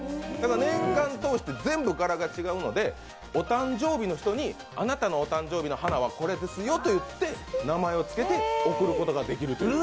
年間通して全部柄が違うのでお誕生日の人に、あなたのたん秒美の花はこれですよと言って名前を付けて贈ることができるという。